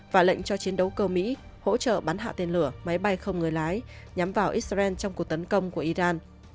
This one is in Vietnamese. và lệnh cho chiến đấu cơ mỹ hỗ trợ bắn hạ tiên lửa máy bay không người lái nhắm vào israel trong cuộc tấn công của iran